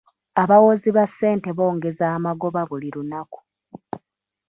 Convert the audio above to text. Abawozi ba ssente bongeza amagoba buli lunaku.